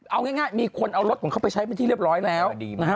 เอาง่ายมีคนเอารถของเขาไปใช้เป็นที่เรียบร้อยแล้ว